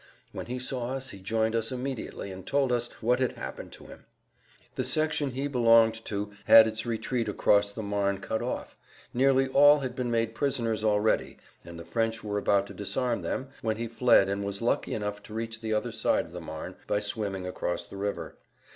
When he saw us he joined us immediately and told us what had happened to him. The section he belonged to had its retreat across the Marne cut off; nearly all had been made prisoners already and the French were about to disarm them when he fled and was lucky enough to reach the other side of the Marne by swimming across the river.